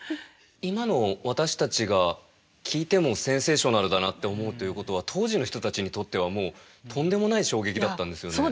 今の私たちが聞いてもセンセーショナルだなって思うということは当時の人たちにとってはもうとんでもない衝撃だったんですよね。